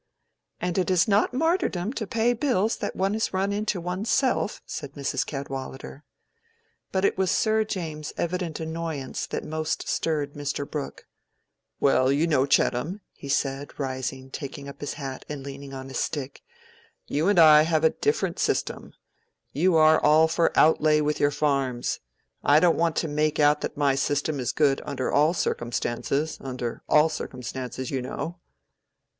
"And it is not martyrdom to pay bills that one has run into one's self," said Mrs. Cadwallader. But it was Sir James's evident annoyance that most stirred Mr. Brooke. "Well, you know, Chettam," he said, rising, taking up his hat and leaning on his stick, "you and I have a different system. You are all for outlay with your farms. I don't want to make out that my system is good under all circumstances—under all circumstances, you know."